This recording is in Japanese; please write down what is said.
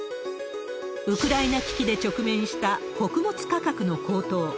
ウクライナ危機で直面した穀物価格の高騰。